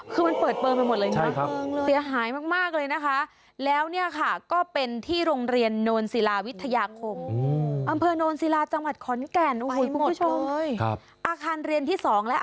คือมันเปิดเปิ้ลไปหมดเลยค่ะ